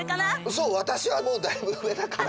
そうわたしはもうだいぶうえだから。